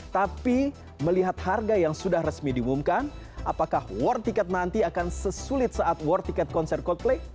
tapi melihat harga yang sudah resmi diumumkan apakah war tiket nanti akan sesulit saat war tiket konser coldplay